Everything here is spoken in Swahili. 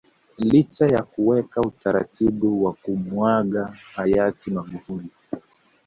Licha ya kuweka utaratibu wa kumuaga Hayati Magufuli